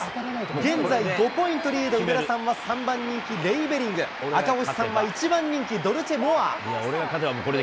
現在５ポイントリード、上田さんは３番人気、レイベリング、赤星さんは一番人気、ドルチェモア。